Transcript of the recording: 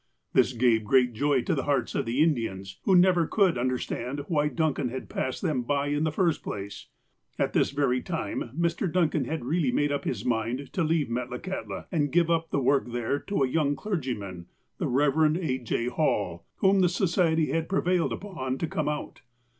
This gave great joy to the hearts of the Indians, who never could understand why Duncau had passed them by in the first place. At this very time, Mr. Duncan had really made up his mind to leave Metlakahtla, and give uj) the work there to a young clergyman, the Eev. A. J. Hall, whom the Society had prevailed upon to come out.